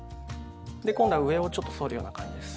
で今度は上をちょっと反るような感じです。